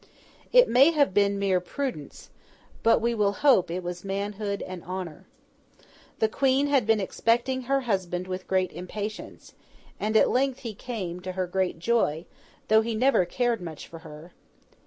It may have been mere prudence, but we will hope it was manhood and honour. The Queen had been expecting her husband with great impatience, and at length he came, to her great joy, though he never cared much for her.